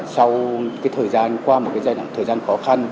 sau cái thời gian qua một cái giai đoạn thời gian khó khăn